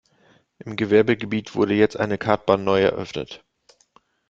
Im Gewerbegebiet wurde jetzt eine Kartbahn neu eröffnet.